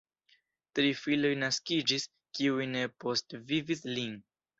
Tri filoj naskiĝis, kiuj ne postvivis lin.